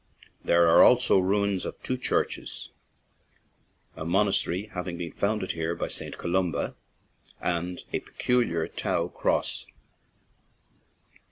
There are also ruins of two churches (a monastery having been founded here by St. Columba), and a peculiar tau cross.